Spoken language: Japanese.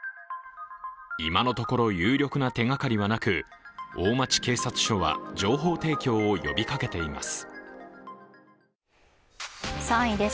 今のところ有力な手がかりはなく大町警察署は情報提供を呼びかけています。